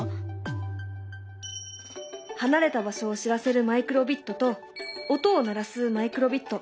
離れた場所を知らせるマイクロビットと音を鳴らすマイクロビット。